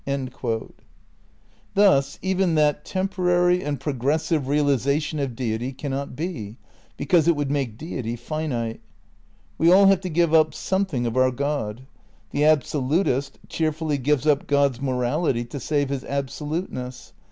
' Thus even that temporary and progressive realisa tion of Deity cannot be ; because it would make Deity finite. We all have to give up something of our God. The absolutist cheerfully gives up God's morality to save his absoluteness.